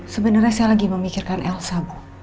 sebenarnya saya lagi memikirkan elsa